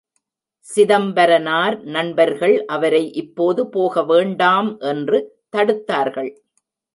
சிதம்பரனார் நண்பர்கள் அவரை இப்போது போக வேண்டாம் என்று தடுத்தார்கள்.